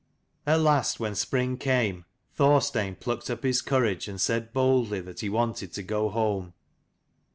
At last when spring came, Thorstein plucked up his courage and said boldly that he wanted to go home.